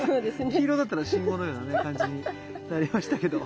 黄色だったら信号のようなね感じになりましたけど。